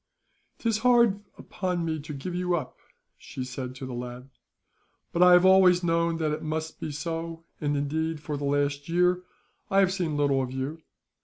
"'Tis hard upon me to give you up," she said to the lad; "but I have always known that it must be so, and indeed, for the last year I have seen little of you.